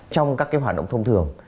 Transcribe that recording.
trong các cái hoạt động thông thường